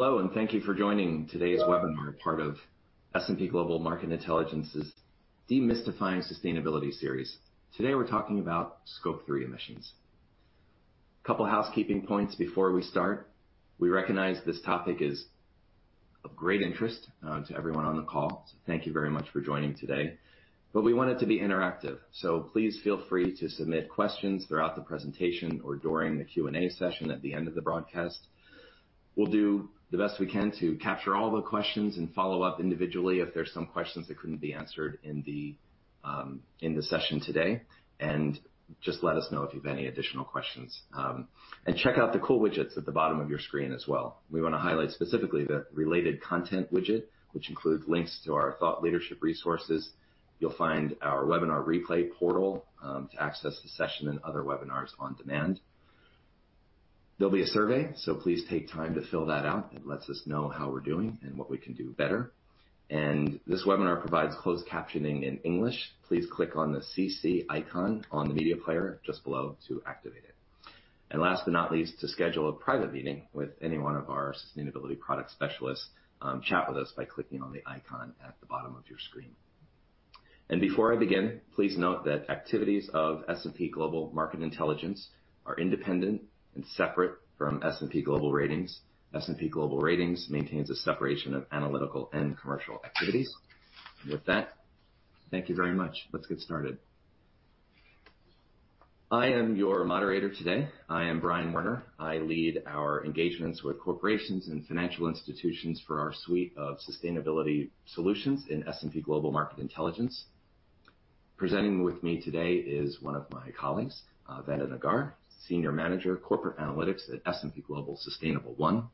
Hello, thank you for joining today's webinar, part of S&P Global Market Intelligence's Demystifying Sustainability series. Today, we're talking about Scope three emissions. Couple housekeeping points before we start. We recognize this topic is of great interest to everyone on the call, thank you very much for joining today. We want it to be interactive, please feel free to submit questions throughout the presentation or during the Q&A session at the end of the broadcast. We'll do the best we can to capture all the questions and follow up individually if there's some questions that couldn't be answered in the session today. Just let us know if you've any additional questions. Check out the cool widgets at the bottom of your screen as well. We want to highlight specifically the Related Content widget, which includes links to our thought leadership resources. You'll find our webinar replay portal to access this session and other webinars on demand. There'll be a survey, please take time to fill that out. It lets us know how we're doing and what we can do better. This webinar provides closed captioning in English. Please click on the CC icon on the media player just below to activate it. Last but not least, to schedule a private meeting with any one of our sustainability product specialists, chat with us by clicking on the icon at the bottom of your screen. Before I begin, please note that activities of S&P Global Market Intelligence are independent and separate from S&P Global Ratings. S&P Global Ratings maintains a separation of analytical and commercial activities. With that, thank you very much. Let's get started. I am your moderator today. I am Brian Werner. I lead our engagements with corporations and financial institutions for our suite of sustainability solutions in S&P Global Market Intelligence. Presenting with me today is one of my colleagues, Varun Gaur, Senior Manager of Corporate Analytics at S&P Global Sustainable1.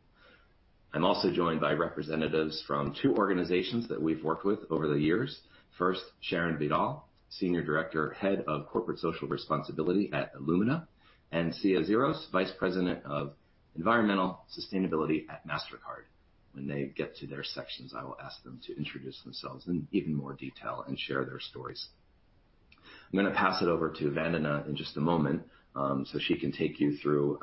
I'm also joined by representatives from two organizations that we've worked with over the years. First, Sharon Vidal, Senior Director, Head of Corporate Social Responsibility at Illumina, and Sia Xeros, Vice President of Environmental Sustainability at Mastercard. When they get to their sections, I will ask them to introduce themselves in even more detail and share their stories. I'm gonna pass it over to Varun in just a moment, so she can take you through,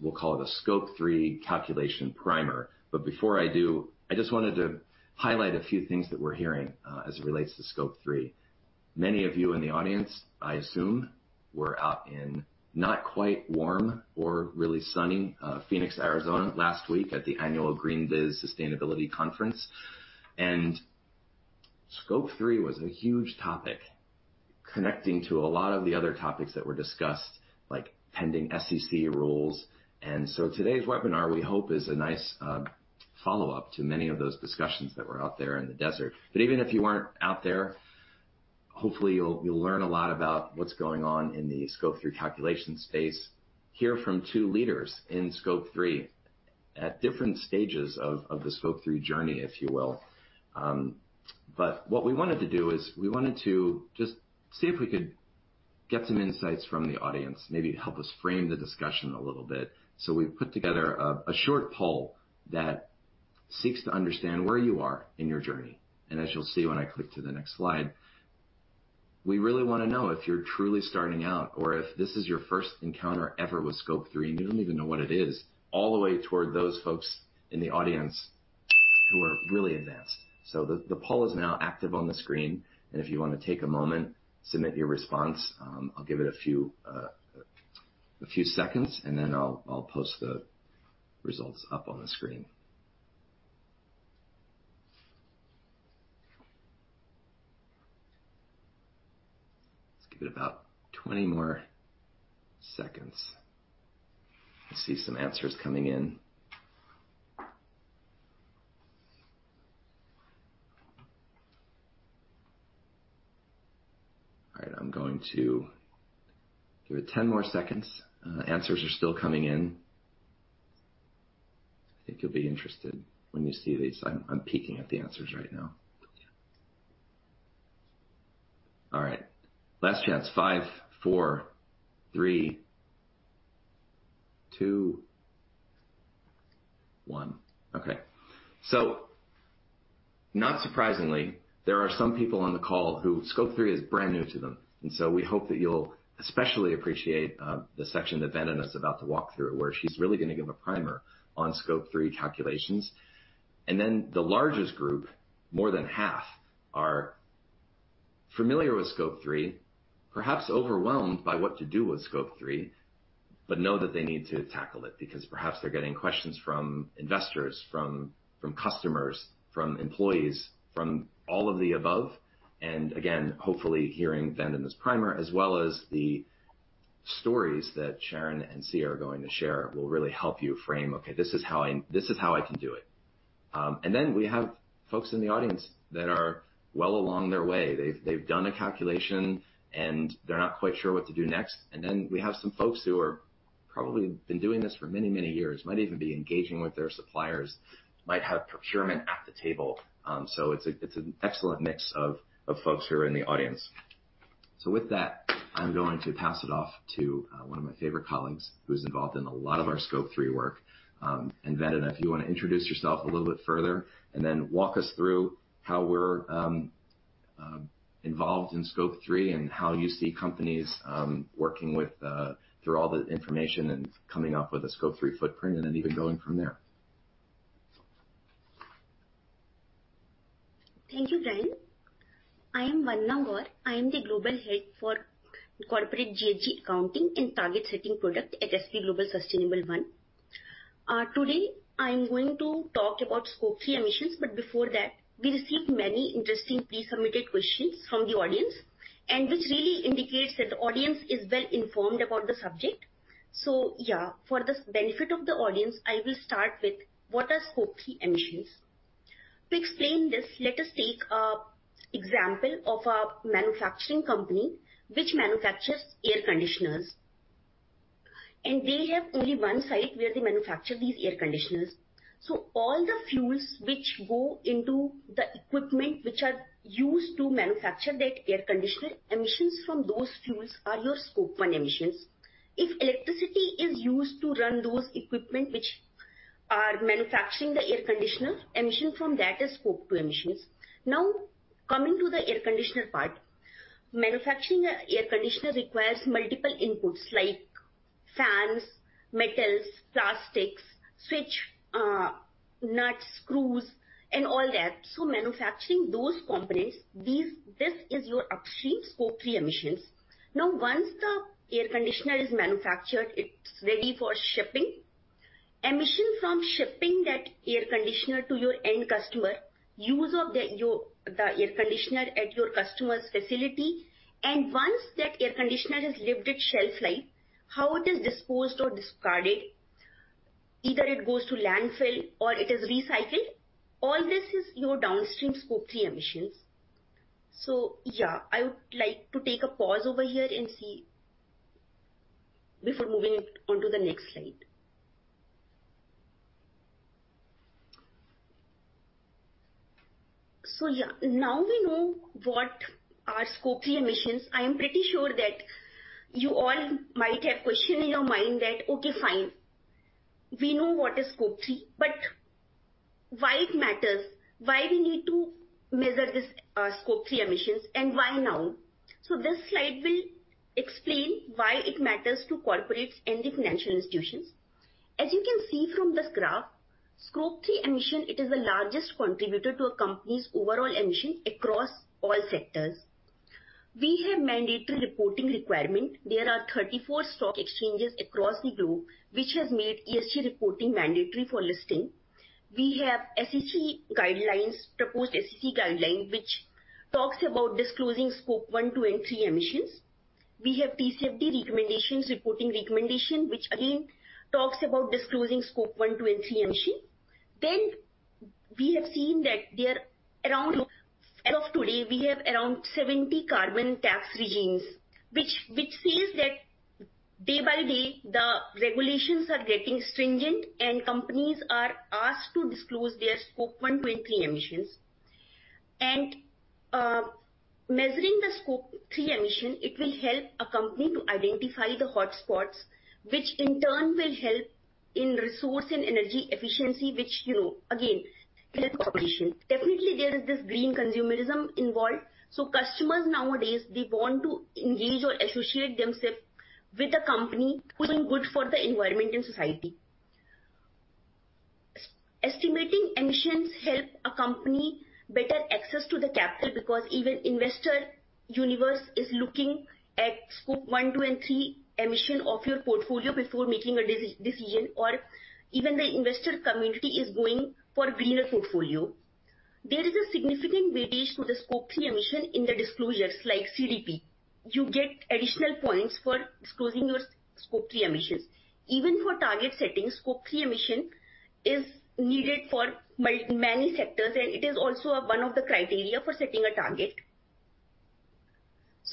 we'll call it a Scope three calculation primer. Before I do, I just wanted to highlight a few things that we're hearing as it relates to Scope 3. Many of you in the audience, I assume, were out in not quite warm or really sunny Phoenix, Arizona last week at the annual GreenBiz Sustainability Conference. Scope 3 was a huge topic connecting to a lot of the other topics that were discussed, like pending SEC rules. Today's webinar, we hope, is a nice follow-up to many of those discussions that were out there in the desert. Even if you weren't out there, hopefully you'll learn a lot about what's going on in the Scope 3 calculation space, hear from two leaders in Scope 3 at different stages of the Scope 3 journey, if you will. What we wanted to do is we wanted to just see if we could get some insights from the audience, maybe help us frame the discussion a little bit. We've put together a short poll that seeks to understand where you are in your journey. As you'll see when I click to the next slide, we really wanna know if you're truly starting out or if this is your first encounter ever with Scope 3, and you don't even know what it is, all the way toward those folks in the audience who are really advanced. The poll is now active on the screen, and if you wanna take a moment, submit your response. I'll give it a few seconds, and then I'll post the results up on the screen. Let's give it about 20 more seconds. I see some answers coming in. All right. I'm going to give it 10 more seconds. Answers are still coming in. I think you'll be interested when you see these. I'm peeking at the answers right now. All right. Last chance. Five, four, three, two, one. Okay. Not surprisingly, there are some people on the call who Scope 3 is brand new to them, we hope that you'll especially appreciate the section that Varun's about to walk through, where she's really gonna give a primer on Scope 3 calculations. The largest group, more than half, are familiar with Scope 3, perhaps overwhelmed by what to do with Scope 3, but know that they need to tackle it because perhaps they're getting questions from investors, from customers, from employees, from all of the above. Again, hopefully hearing Varun's primer as well as the stories that Sharon and Sia are going to share will really help you frame, "Okay, this is how I, this is how I can do it." Then we have folks in the audience that are well along their way. They've done a calculation, and they're not quite sure what to do next. Then we have some folks who are probably been doing this for many, many years, might even be engaging with their suppliers, might have procurement at the table. It's an excellent mix of folks who are in the audience. With that, I'm going to pass it off to one of my favorite colleagues who's involved in a lot of our Scope 3 work. Varun, if you wanna introduce yourself a little bit further and then walk us through how we're. Involved in Scope 3 and how you see companies working with through all the information and coming up with a Scope 3 footprint and then even going from there. Thank you, Brian. I am Varun Gaur. I am the Global Head for Corporate GHG Accounting and Target Setting Product at S&P Global Sustainable1. Today I'm going to talk about Scope 3 emissions. Before that, we received many interesting pre-submitted questions from the audience. Which really indicates that the audience is well informed about the subject. Yeah, for the benefit of the audience, I will start with what are Scope 3 emissions. To explain this, let us take a example of a manufacturing company which manufactures air conditioners. They have only one site where they manufacture these air conditioners. All the fuels which go into the equipment which are used to manufacture that air conditioner, emissions from those fuels are your Scope 1 emissions. If electricity is used to run those equipment which are manufacturing the air conditioner, emission from that is Scope 2 emissions. Coming to the air conditioner part. Manufacturing a air conditioner requires multiple inputs like fans, metals, plastics, switch, nuts, screws, and all that. Manufacturing those components, this is your upstream Scope 3 emissions. Once the air conditioner is manufactured, it's ready for shipping. Emission from shipping that air conditioner to your end customer, use of the air conditioner at your customer's facility, and once that air conditioner has lived its shelf life, how it is disposed or discarded, either it goes to landfill or it is recycled. All this is your downstream Scope 3 emissions. Yeah, I would like to take a pause over here and see before moving onto the next slide. Yeah, now we know what are Scope 3 emissions. I am pretty sure that you all might have question in your mind that okay, fine, we know what is Scope 3, but why it matters, why we need to measure this Scope 3 emissions and why now? This slide will explain why it matters to corporates and the financial institutions. As you can see from this graph, Scope 3 emission, it is the largest contributor to a company's overall emission across all sectors. We have mandatory reporting requirement. There are 34 stock exchanges across the globe which has made ESG reporting mandatory for listing. We have SEC guidelines, proposed SEC guideline, which talks about disclosing Scope 1, 2, and 3 emissions. We have TCFD recommendations, reporting recommendation, which again talks about disclosing Scope 1, 2 and 3 emission. We have seen that there are around. As of today, we have around 70 carbon tax regimes which says that day by day the regulations are getting stringent and companies are asked to disclose their Scope 1, 2, and 3 emissions. Measuring the Scope 3 emission, it will help a company to identify the hotspots which in turn will help in resource and energy efficiency which you know, again help operation. Definitely there is this green consumerism involved. Customers nowadays they want to engage or associate themselves with a company who is good for the environment and society. Estimating emissions help a company better access to the capital because even investor universe is looking at Scope 1, 2, and 3 emission of your portfolio before making a decision or even the investor community is going for greener portfolio. There is a significant weightage to the Scope 3 emission in the disclosures like CDP. You get additional points for disclosing your Scope 3 emissions. Even for target setting, Scope 3 emission is needed for many sectors and it is also one of the criteria for setting a target.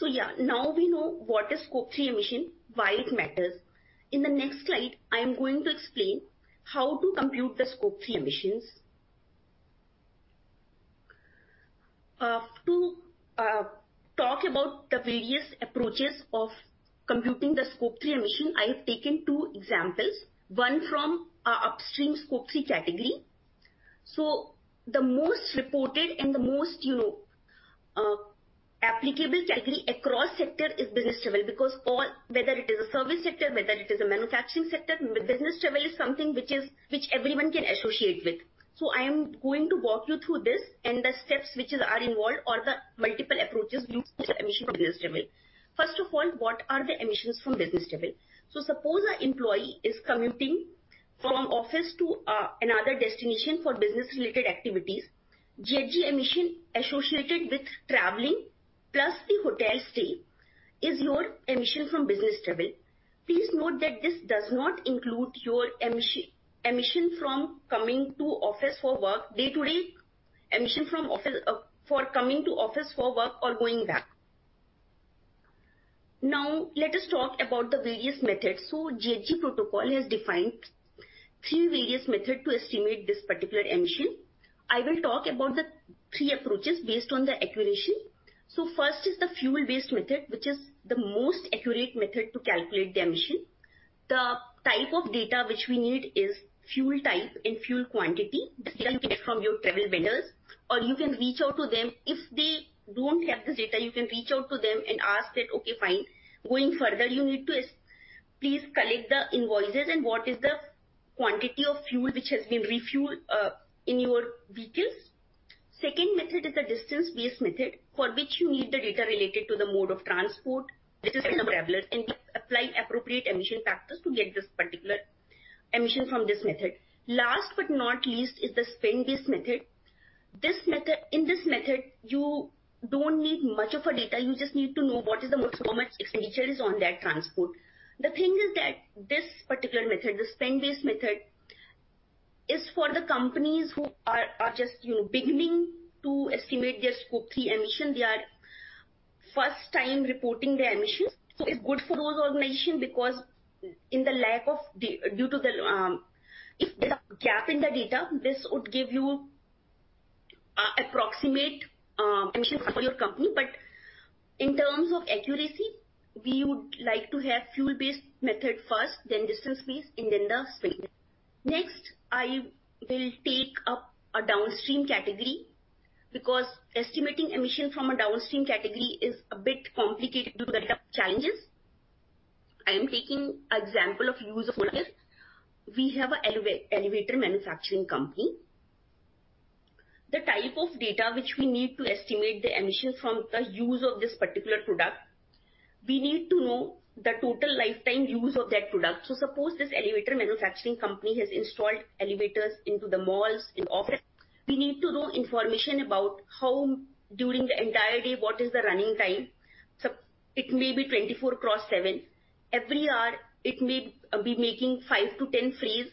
Yeah, now we know what is Scope 3 emission, why it matters. In the next slide, I am going to explain how to compute the Scope 3 emissions. To talk about the various approaches of computing the Scope 3 emission, I have taken two examples, one from upstream Scope 3 category. The most reported and the most, you know, applicable category across sector is business travel because whether it is a service sector, whether it is a manufacturing sector, business travel is something which everyone can associate with. I am going to walk you through this and the steps which are involved or the multiple approaches used emission from business travel. First of all, what are the emissions from business travel? Suppose a employee is commuting from office to another destination for business related activities. GHG emission associated with traveling plus the hotel stay is your emission from business travel. Please note that this does not include your emission from coming to office for work day-to-day. Emission from office for coming to office for work or going back. Let us talk about the various methods. GHG Protocol has defined three various method to estimate this particular emission. I will talk about the three approaches based on the accuracy. First is the fuel-based method, which is the most accurate method to calculate the emission. The type of data which we need is fuel type and fuel quantity. This you can get from your travel vendors or you can reach out to them. If they don't have this data, you can reach out to them and ask that, "Okay, fine. Going further, you need to please collect the invoices and what is the quantity of fuel which has been refueled in your vehicles?" Second method is a distance-based method for which you need the data related to the mode of transport. This is from travelers, and we apply appropriate emission factors to get this particular emission from this method. Last but not least is the spend-based method. In this method, you don't need much of a data, you just need to know how much expenditure is on that transport. The thing is that this particular method, the spend-based method, is for the companies who are just, you know, beginning to estimate their Scope 3 emission. They are first time reporting their emissions. It's good for those organization because due to the, if there's a gap in the data, this would give you approximate emissions for your company. In terms of accuracy, we would like to have fuel-based method first, then distance-based, and then the spend. Next, I will take up a downstream category because estimating emission from a downstream category is a bit complicated due to the data challenges. I am taking example of use of products. We have a elevator manufacturing company. The type of data which we need to estimate the emissions from the use of this particular product, we need to know the total lifetime use of that product. Suppose this elevator manufacturing company has installed elevators into the malls, in office. We need to know information about how, during the entire day, what is the running time. It may be 24x7. Every hour it may be making five to 10 frees.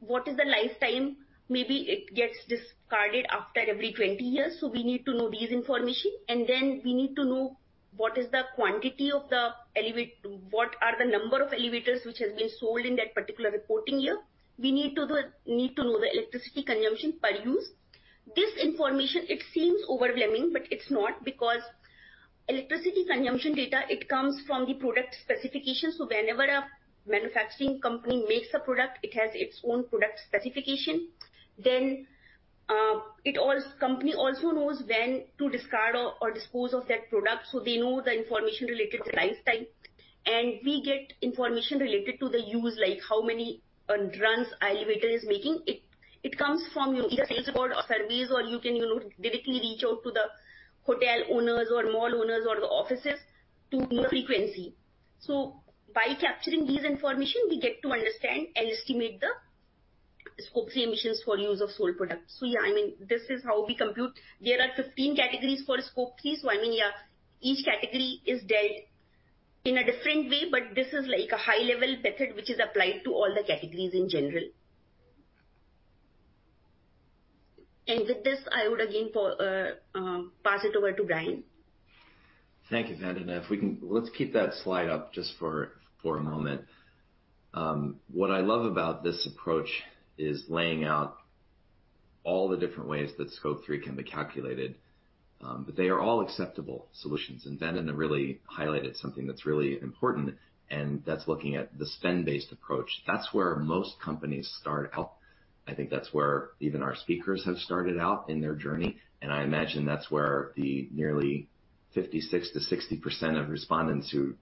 What is the lifetime? Maybe it gets discarded after every 20 years. We need to know these information. We need to know what is the quantity of the number of elevators which has been sold in that particular reporting year. We need to know the electricity consumption per use. This information, it seems overwhelming. It's not, because electricity consumption data comes from the product specification. Whenever a manufacturing company makes a product, it has its own product specification. Company also knows when to discard or dispose of that product. They know the information related to lifetime. We get information related to the use, like how many runs a elevator is making. It comes from your either sales report or service, or you can, you know, directly reach out to the hotel owners or mall owners or the offices to know the frequency. By capturing this information, we get to understand and estimate the Scope 3 emissions for use of sold products. Yeah, I mean, this is how we compute. There are 15 categories for Scope 3. I mean, yeah, each category is dealt in a different way, but this is like a high level method which is applied to all the categories in general. With this, I would again pass it over to Brian. Thank you, Varun. Let's keep that slide up just for a moment. What I love about this approach is laying out all the different ways that Scope 3 can be calculated, they are all acceptable solutions. Varun really highlighted something that's really important, and that's looking at the spend-based approach. That's where most companies start out. I think that's where even our speakers have started out in their journey, and I imagine that's where the nearly 56%-60% of respondents who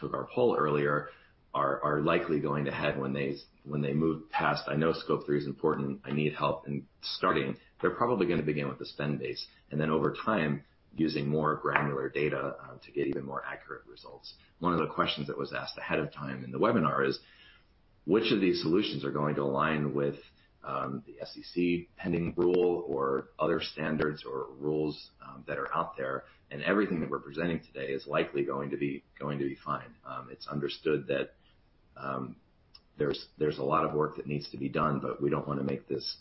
took our poll earlier are likely going to head when they move past, "I know Scope 3 is important, I need help in starting," they're probably gonna begin with the spend-based. Over time, using more granular data, to get even more accurate results. One of the questions that was asked ahead of time in the webinar is which of these solutions are going to align with the SEC pending rule or other standards or rules that are out there? Everything that we're presenting today is likely going to be fine. It's understood that there's a lot of work that needs to be done, but we don't wanna make this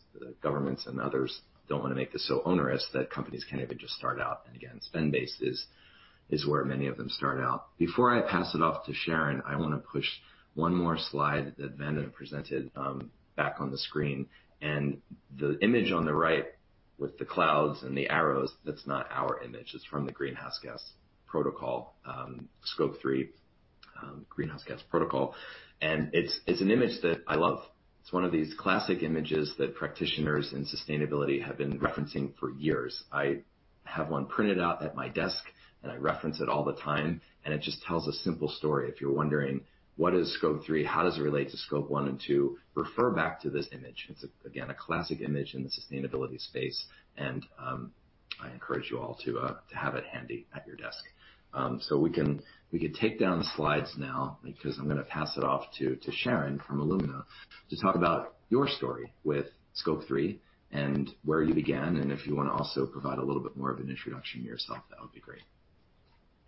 so onerous that companies can't even just start out. Again, spend-based is where many of them start out. Before I pass it off to Sharon, I wanna push one more slide that Varun presented back on the screen. The image on the right with the clouds and the arrows, that's not our image. It's from the Greenhouse Gas Protocol, Scope 3, Greenhouse Gas Protocol. It's an image that I love. It's one of these classic images that practitioners in sustainability have been referencing for years. I have one printed out at my desk, and I reference it all the time, and it just tells a simple story. If you're wondering what is Scope 3, how does it relate to Scope 1 and 2, refer back to this image. It's again a classic image in the sustainability space, and I encourage you all to have it handy at your desk. We can take down the slides now because I'm gonna pass it off to Sharon from Illumina to talk about your story with Scope 3 and where you began, and if you wanna also provide a little bit more of an introduction to yourself, that would be great.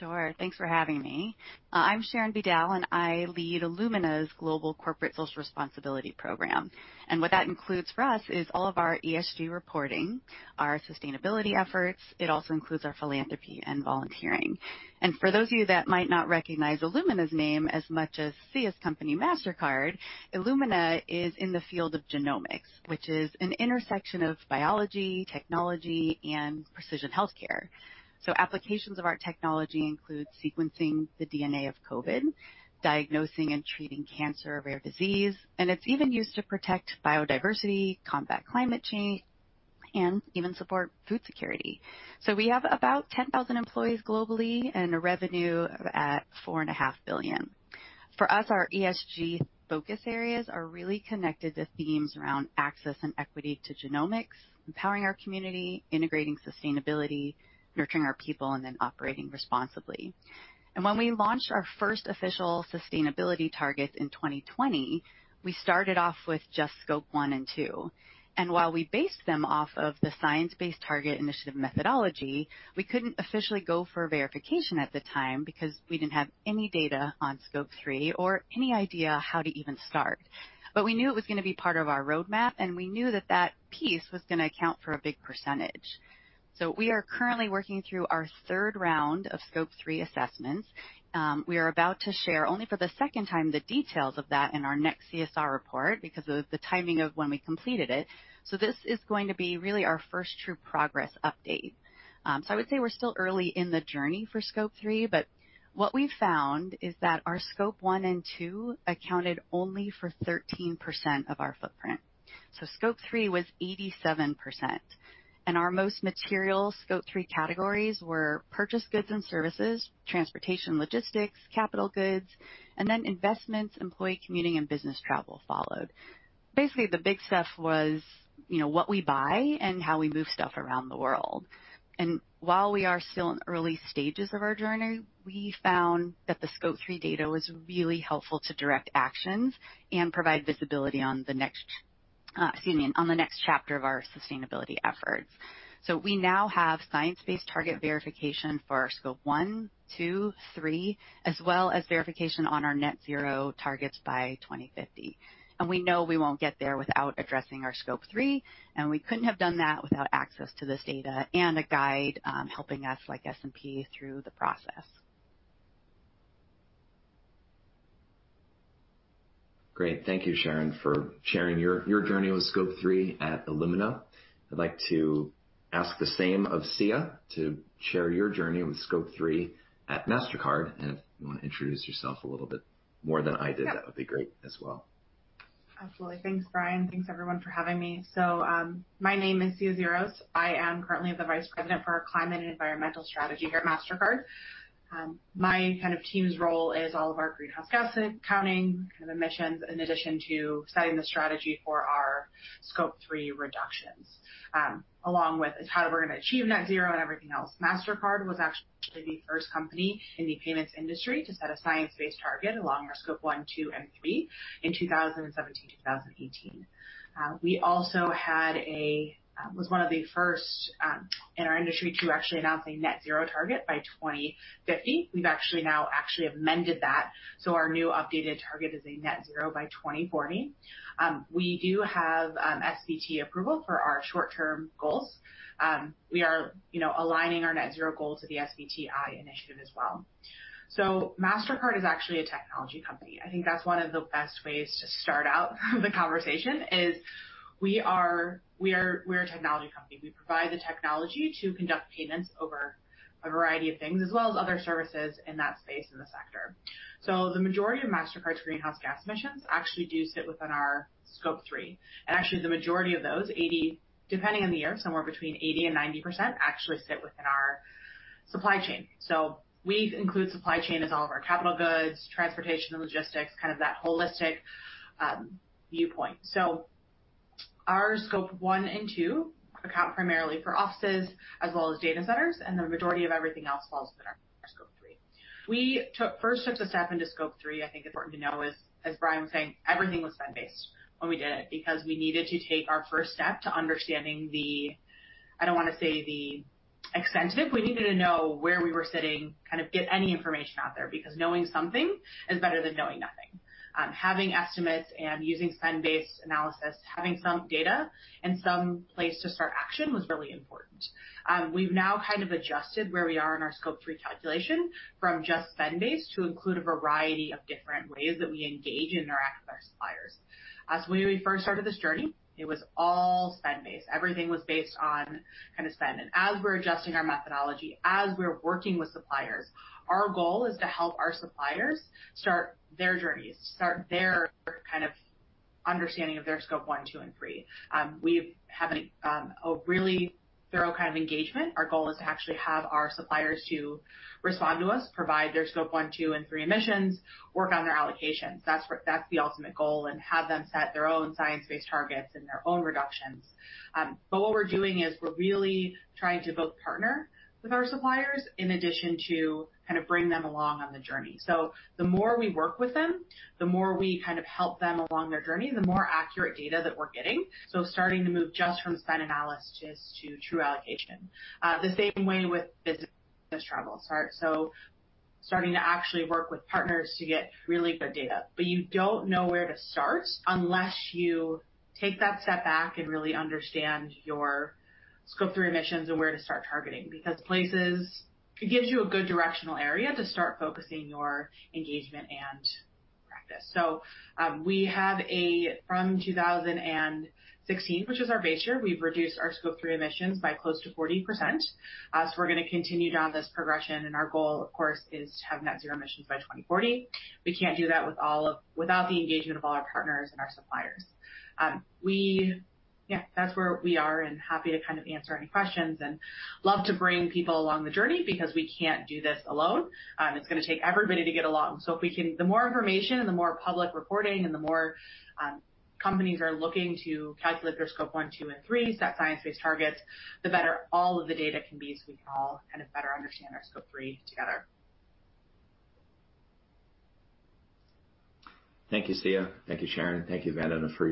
Sure. Thanks for having me. I'm Sharon Vidal, and I lead Illumina's global corporate social responsibility program. What that includes for us is all of our ESG reporting, our sustainability efforts. It also includes our philanthropy and volunteering. For those of you that might not recognize Illumina's name as much as Sia's company, Mastercard, Illumina is in the field of genomics, which is an intersection of biology, technology, and precision health care. Applications of our technology include sequencing the DNA of COVID, diagnosing and treating cancer or rare disease, and it's even used to protect biodiversity, combat climate change, and even support food security. We have about 10,000 employees globally and a revenue at $4.5 billion. For us, our ESG focus areas are really connected to themes around access and equity to genomics, empowering our community, integrating sustainability, nurturing our people, operating responsibly. When we launched our first official sustainability targets in 2020, we started off with just Scope 1 and 2. While we based them off of the Science Based Targets initiative methodology, we couldn't officially go for verification at the time because we didn't have any data on Scope 3 or any idea how to even start. We knew it was gonna be part of our roadmap, and we knew that that piece was gonna account for a big percentage. We are currently working through our third round of Scope 3 assessments. We are about to share only for the second time, the details of that in our next CSR report because of the timing of when we completed it. This is going to be really our first true progress update. I would say we're still early in the journey for Scope 3, but what we found is that our Scope 1 and 2 accounted only for 13% of our footprint. Scope 3 was 87%. Our most material Scope 3 categories were purchased goods and services, transportation logistics, capital goods, and then investments, employee commuting, and business travel followed. Basically, the big stuff was, you know, what we buy and how we move stuff around the world. While we are still in early stages of our journey, we found that the Scope 3 data was really helpful to direct actions and provide visibility on the next, excuse me, on the next chapter of our sustainability efforts. We now have Science Based Targets verification for our Scope 1, 2, 3, as well as verification on our net zero targets by 2050. We know we won't get there without addressing our Scope 3, and we couldn't have done that without access to this data and a guide, helping us, like S&P, through the process. Great. Thank you, Sharon, for sharing your journey with Scope 3 at Illumina. I'd like to ask the same of Sia to share your journey with Scope 3 at Mastercard. If you wanna introduce yourself a little bit more than I did, that would be great as well. Absolutely. Thanks, Brian. Thanks everyone for having me. My name is Sia Xeros. I am currently the vice president for our climate and environmental strategy here at Mastercard. My kind of team's role is all of our greenhouse gas accounting kind of emissions, in addition to setting the strategy for our Scope 3 reductions, along with how we're gonna achieve net zero and everything else. Mastercard was actually the first company in the payments industry to set a science-based target along our Scope 1, 2, and 3 in 2017, 2018. We also had one of the first in our industry to actually announce a net zero target by 2050. We've actually now actually amended that, so our new updated target is a net zero by 2040. We do have SBT approval for our short-term goals. We are, you know, aligning our net zero goal to the SBTI initiative as well. Mastercard is actually a technology company. I think that's one of the best ways to start out the conversation is we are, we're a technology company. We provide the technology to conduct payments over a variety of things, as well as other services in that space in the sector. The majority of Mastercard's greenhouse gas emissions actually do sit within our Scope 3. And actually the majority of those, depending on the year, somewhere between 80% and 90% actually sit within our supply chain. We include supply chain as all of our capital goods, transportation and logistics, kind of that holistic viewpoint. Our Scope 1 and 2 account primarily for offices as well as data centers, and the majority of everything else falls within our Scope 3. We first took the step into Scope 3, I think important to know is, as Brian was saying, everything was spend-based when we did it because we needed to take our first step to understanding the, I don't wanna say the extent of it. We needed to know where we were sitting, kind of get any information out there because knowing something is better than knowing nothing. Having estimates and using spend-based analysis, having some data and some place to start action was really important. We've now kind of adjusted where we are in our Scope 3 calculation from just spend-based to include a variety of different ways that we engage and interact with our suppliers. As we first started this journey, it was all spend-based. Everything was based on kind of spend. As we're adjusting our methodology, as we're working with suppliers, our goal is to help our suppliers start their journeys, start their kind of understanding of their Scope 1, 2, and 3. We've having a really thorough kind of engagement. Our goal is to actually have our suppliers to respond to us, provide their Scope 1, 2, and 3 emissions, work on their allocations. That's the ultimate goal, and have them set their own science-based targets and their own reductions. What we're doing is we're really trying to both partner with our suppliers in addition to kind of bring them along on the journey. The more we work with them, the more we kind of help them along their journey, the more accurate data that we're getting. Starting to move just from spend analysis to true allocation. The same way with business travel. Starting to actually work with partners to get really good data. But you don't know where to start unless you take that step back and really understand your Scope 3 emissions and where to start targeting, because it gives you a good directional area to start focusing your engagement and practice. We have a... From 2016, which is our base year, we've reduced our Scope 3 emissions by close to 40%. We're gonna continue down this progression, and our goal, of course, is to have net zero emissions by 2040. We can't do that without the engagement of all our partners and our suppliers. Yeah, that's where we are, and happy to kind of answer any questions, and love to bring people along the journey because we can't do this alone. It's gonna take everybody to get along. The more information, and the more public reporting, and the more companies are looking to calculate their Scope 1, 2, and 3, set science-based targets, the better all of the data can be, so we can all kind of better understand our Scope 3 together. Thank you, Sia. Thank you, Sharon. Thank you, Varun, for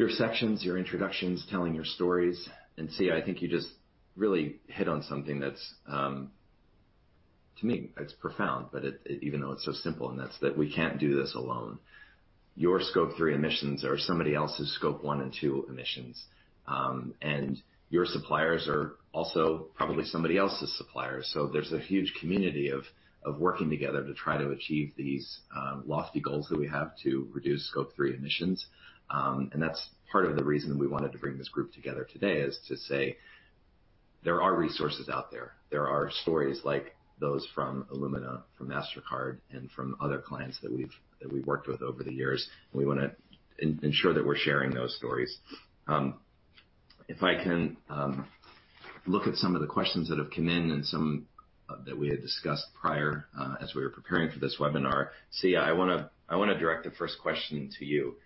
your sections, your introductions, telling your stories. Sia, I think you just really hit on something that's To me, it's profound, but it, even though it's so simple, and that's that we can't do this alone. Your Scope 3 emissions are somebody else's Scope 1 and 2 emissions. Your suppliers are also probably somebody else's suppliers. There's a huge community of working together to try to achieve these lofty goals that we have to reduce Scope 3 emissions. That's part of the reason we wanted to bring this group together today is to say there are resources out there. There are stories like those from Illumina, from Mastercard, and from other clients that we've worked with over the years. We wanna ensure that we're sharing those stories. If I can look at some of the questions that have come in and that we had discussed prior as we were preparing for this webinar. Sia, I wanna direct the first question to you.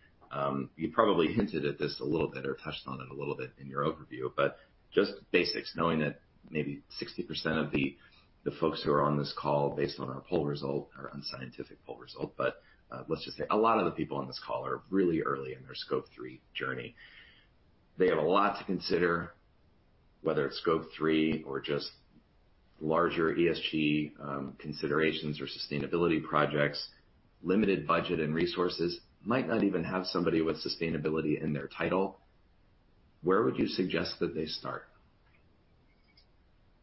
You probably hinted at this a little bit or touched on it a little bit in your overview, but just basics, knowing that maybe 60% of the folks who are on this call, based on our poll result, our unscientific poll result, but let's just say a lot of the people on this call are really early in their Scope 3 journey. They have a lot to consider, whether it's Scope 3 or just larger ESG considerations or sustainability projects, limited budget and resources, might not even have somebody with sustainability in their title. Where would you suggest that they start?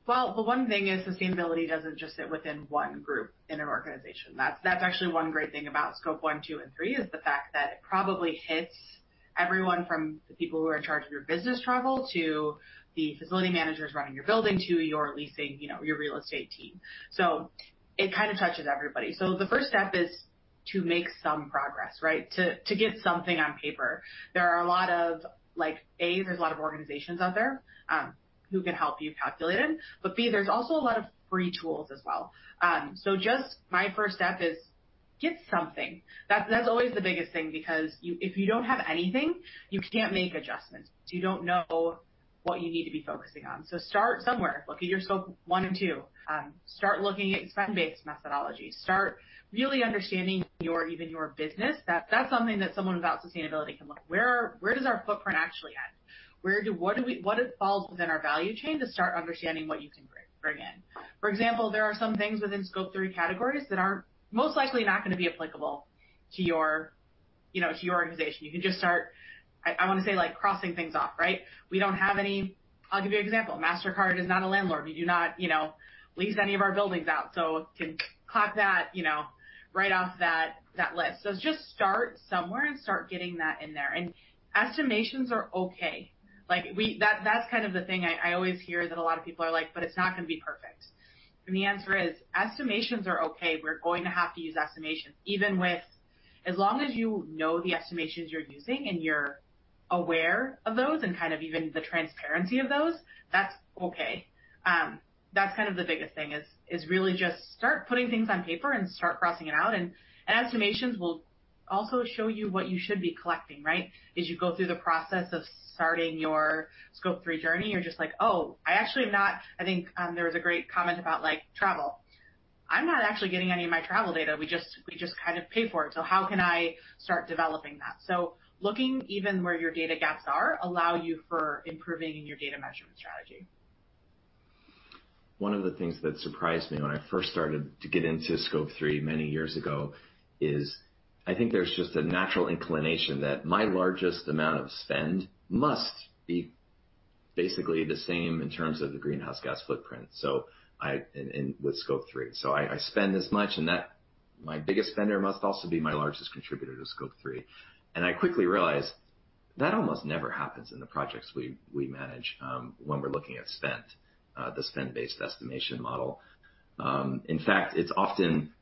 Well, the one thing is sustainability doesn't just sit within one group in an organization. That's actually one great thing about Scope 1, 2, and 3 is the fact that it probably hits everyone from the people who are in charge of your business travel to the facility managers running your building to your leasing, you know, your real estate team. It kind of touches everybody. The first step is to make some progress, right? To get something on paper. There are a lot of, like, A, there's a lot of organizations out there who can help you calculate it, but B, there's also a lot of free tools as well. Just my first step is get something. That's always the biggest thing because if you don't have anything, you can't make adjustments, so you don't know what you need to be focusing on. Start somewhere. Look at your Scope 1 and 2. Start looking at spend-based methodology. Start really understanding your, even your business. That's something that someone without sustainability can look. Where, where does our footprint actually end? What falls within our value chain to start understanding what you can bring in? For example, there are some things within Scope 3 categories that are most likely not gonna be applicable to your, you know, to your organization. You can just start, I wanna say, like, crossing things off, right? We don't have any... I'll give you an example. Mastercard is not a landlord. We do not, you know, lease any of our buildings out, can clock that, you know, right off that list. Just start somewhere and start getting that in there. Estimations are okay. Like that's kind of the thing I always hear that a lot of people are like, "But it's not gonna be perfect." The answer is, estimations are okay. We're going to have to use estimations As long as you know the estimations you're using and you're aware of those and kind of even the transparency of those, that's okay. That's kind of the biggest thing is really just start putting things on paper and start crossing it out. Estimations will also show you what you should be collecting, right? As you go through the process of starting your Scope 3 journey, you're just like, "Oh," I think, there was a great comment about like, travel. "I'm not actually getting any of my travel data. We just kind of pay for it. How can I start developing that?" Looking even where your data gaps are allow you for improving your data measurement strategy. One of the things that surprised me when I first started to get into Scope 3 many years ago is I think there's just a natural inclination that my largest amount of spend must be basically the same in terms of the greenhouse gas footprint, and with Scope 3. I spend this much, my biggest spender must also be my largest contributor to Scope 3. I quickly realized that almost never happens in the projects we manage when we're looking at spend, the spend-based estimation model. In fact, it's often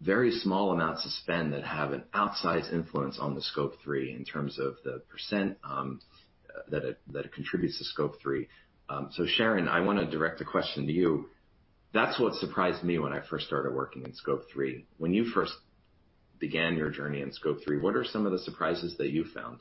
very small amounts of spend that have an outsized influence on the Scope 3 in terms of the % that it contributes to Scope 3. Sharon, I wanna direct a question to you. That's what surprised me when I first started working in Scope 3. When you first began your journey in Scope 3, what are some of the surprises that you found?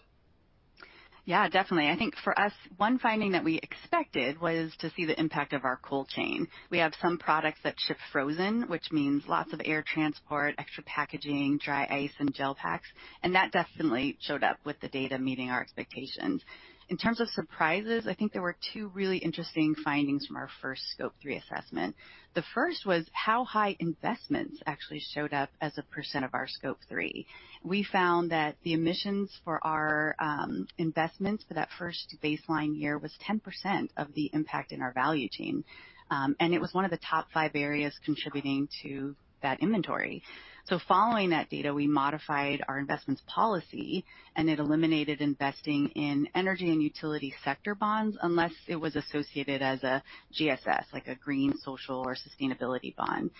Yeah, definitely. I think for us, one finding that we expected was to see the impact of our cold chain. We have some products that ship frozen, which means lots of air transport, extra packaging, dry ice, and gel packs, and that definitely showed up with the data meeting our expectations. In terms of surprises, I think there were two really interesting findings from our first Scope 3 assessment. The first was how high Investments actually showed up as a percent of our Scope 3. We found that the emissions for our Investments for that first baseline year was 10% of the impact in our value chain. It was one of the top five areas contributing to that inventory. Following that data, we modified our investments policy, and it eliminated investing in energy and utility sector bonds unless it was associated as a GSS, like a green social or sustainability bond.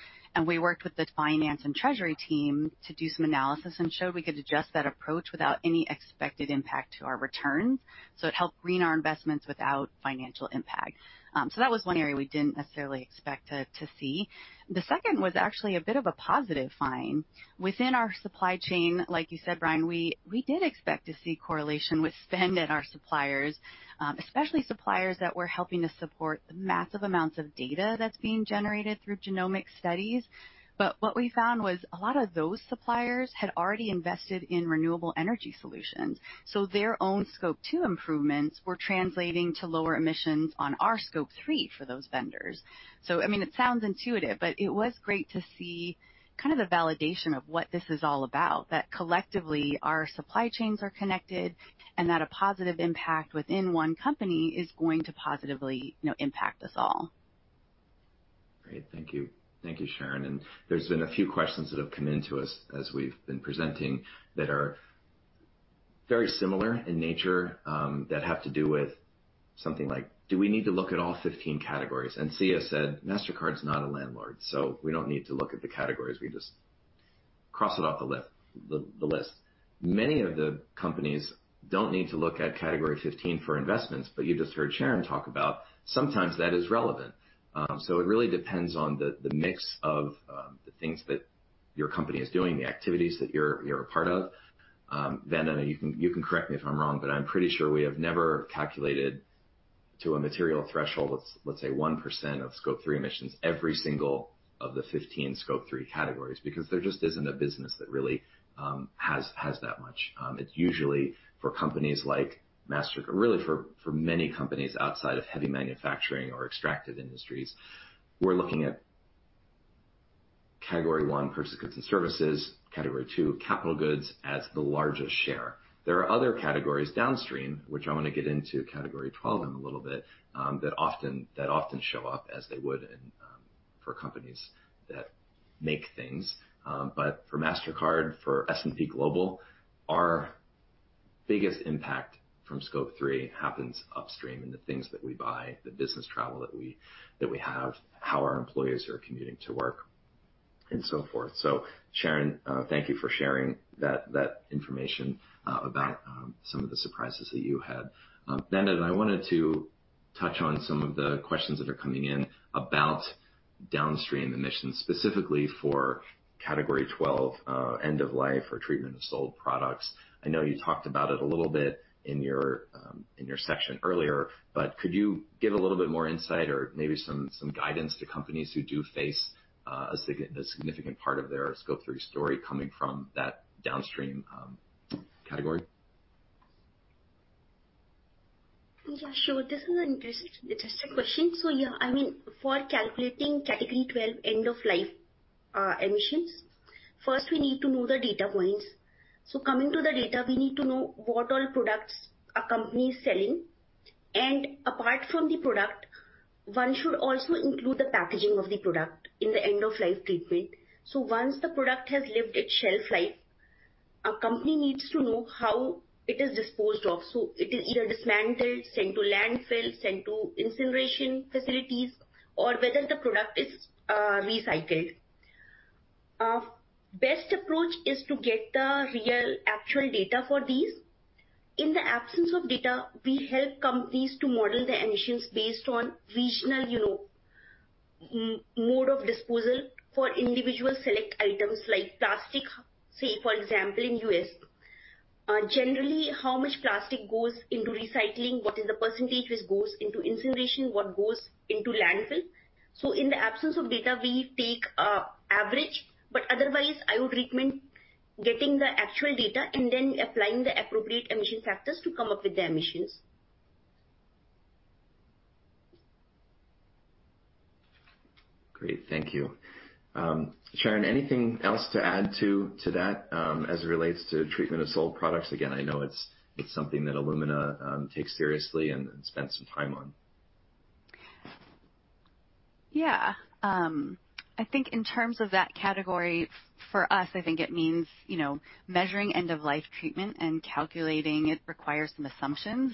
We worked with the finance and treasury team to do some analysis and showed we could adjust that approach without any expected impact to our returns. It helped green our investments without financial impact. That was one area we didn't necessarily expect to see. The second was actually a bit of a positive find. Within our supply chain, like you said, Brian, we did expect to see correlation with spend in our suppliers, especially suppliers that were helping us support the massive amounts of data that's being generated through genomic studies. What we found was a lot of those suppliers had already invested in renewable energy solutions, so their own Scope 2 improvements were translating to lower emissions on our Scope 3 for those vendors. I mean, it sounds intuitive, but it was great to see kind of the validation of what this is all about, that collectively our supply chains are connected and that a positive impact within one company is going to positively, you know, impact us all. Great. Thank you. Thank you, Sharon. There's been a few questions that have come into us as we've been presenting that are very similar in nature that have to do with something like, do we need to look at all 15 categories? Sia said, Mastercard's not a landlord, so we don't need to look at the categories. We just cross it off the list. Many of the companies don't need to look at Category 15 for investments, but you just heard Sharon talk about sometimes that is relevant. It really depends on the mix of the things that your company is doing, the activities that you're a part of. Vanda, you can correct me if I'm wrong, but I'm pretty sure we have never calculated to a material threshold, let's say 1% of Scope 3 emissions, every single of the 15 Scope 3 categories, because there just isn't a business that really has that much. It's usually for companies like Mastercard for many companies outside of heavy manufacturing or extractive industries, we're looking at Category 1, purchase goods and services, Category 2, capital goods as the largest share. There are other categories downstream, which I wanna get into Category 12 in a little bit, that often show up as they would in for companies that make things. For Mastercard, for S&P Global, our biggest impact from Scope 3 happens upstream in the things that we buy, the business travel that we have, how our employees are commuting to work, and so forth. Sharon, thank you for sharing that information, about some of the surprises that you had. Varun, I wanted to touch on some of the questions that are coming in about downstream emissions, specifically for Category 12, End-of-Life Treatment of Sold Products. I know you talked about it a little bit in your, in your section earlier, but could you give a little bit more insight or maybe some guidance to companies who do face a significant part of their Scope 3 story coming from that downstream category? Yeah, sure. This is an interesting question. Yeah, I mean, for calculating Category 12 End-of-Life emissions, first we need to know the data points. Coming to the data, we need to know what all products a company is selling. Apart from the product, one should also include the packaging of the product in the End-of-Life treatment. Once the product has lived its shelf life, a company needs to know how it is disposed of. It is either dismantled, sent to landfill, sent to incineration facilities, or whether the product is recycled. Best approach is to get the real actual data for these. In the absence of data, we help companies to model their emissions based on regional, you know, mode of disposal for individual select items like plastic. Say, for example, in U.S., generally how much plastic goes into recycling? What is the % which goes into incineration? What goes into landfill? In the absence of data, we take a average, but otherwise I would recommend getting the actual data and then applying the appropriate emission factors to come up with the emissions. Great. Thank you. Sharon, anything else to add to that, as it relates to treatment of sold products? Again, I know it's something that Illumina takes seriously and spends some time on. Yeah. I think in terms of that category, for us, I think it means, you know, measuring end-of-life treatment and calculating it requires some assumptions.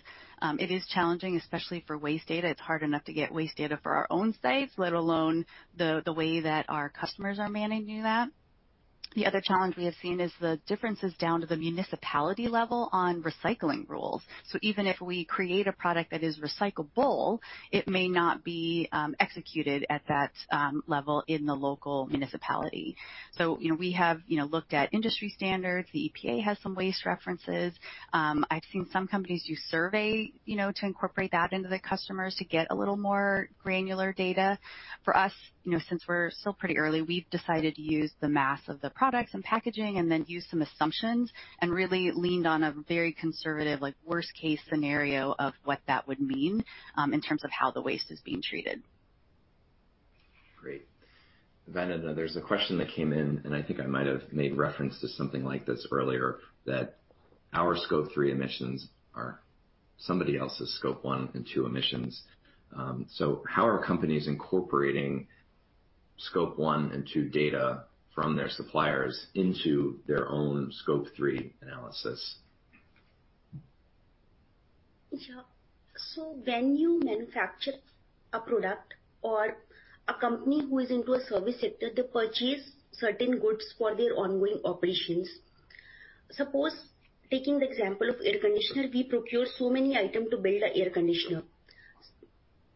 It is challenging, especially for waste data. It's hard enough to get waste data for our own sites, let alone the way that our customers are managing that. The other challenge we have seen is the differences down to the municipality level on recycling rules. Even if we create a product that is recyclable, it may not be executed at that level in the local municipality. You know, we have, you know, looked at industry standards. The EPA has some waste references. I've seen some companies use survey, you know, to incorporate that into the customers to get a little more granular data. For us, you know, since we're still pretty early, we've decided to use the mass of the products and packaging and then use some assumptions and really leaned on a very conservative, like worst case scenario of what that would mean, in terms of how the waste is being treated. Great. Varun, there's a question that came in, and I think I might have made reference to something like this earlier, that our Scope 3 emissions are somebody else's Scope 1 and 2 emissions. How are companies incorporating Scope 1 and 2 data from their suppliers into their own Scope 3 analysis? Sure. When you manufacture a product or a company who is into a service sector, they purchase certain goods for their ongoing operations. Suppose taking the example of air conditioner, we procure so many items to build an air conditioner.